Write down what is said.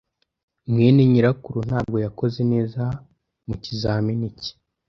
mwene nyirakuru ntabwo yakoze neza mu kizamini cye.